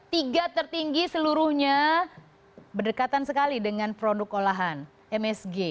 tiga tertinggi seluruhnya berdekatan sekali dengan produk olahan msg